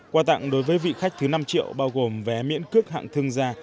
quà tặng đối với vị khách thứ năm triệu bao gồm vé miễn cước hạng thương gia